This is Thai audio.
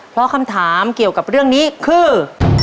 เพราะคำถามเกี่ยวกับเรื่องนี้คือ